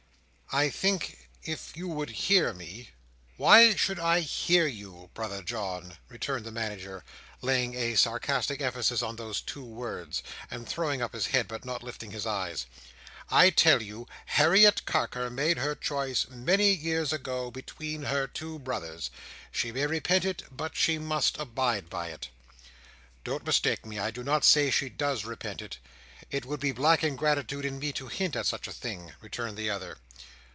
"I think if you would hear me— "Why should I hear you, Brother John?" returned the Manager, laying a sarcastic emphasis on those two words, and throwing up his head, but not lifting his eyes. "I tell you, Harriet Carker made her choice many years ago between her two brothers. She may repent it, but she must abide by it." "Don't mistake me. I do not say she does repent it. It would be black ingratitude in me to hint at such a thing," returned the other.